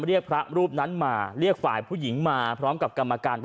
เรียกพระรูปนั้นมาเรียกฝ่ายผู้หญิงมาพร้อมกับกรรมการ